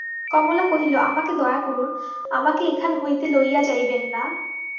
কমলা কহিল, আমাকে দয়া করুন, আমাকে এখান হইতে লইয়া যাইবেন না।